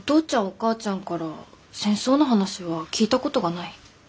お母ちゃんから戦争の話は聞いたことがない。